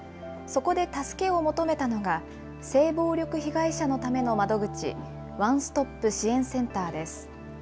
そこで助けを求めたのが、性暴力被害者のための窓口、ワンストップ支援センターです。